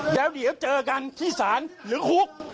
แล้วเดี๋ยวเจอกันที่ศาลหรือคุก